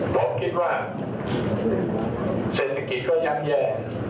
ผมคิดว่าเศรษฐกิจก็ย่ำแย่